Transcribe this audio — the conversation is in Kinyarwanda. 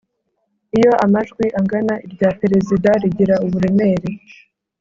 Iyo amajwi angana irya perezida rigira uburemere